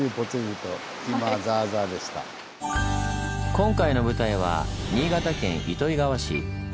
今回の舞台は新潟県糸魚川市。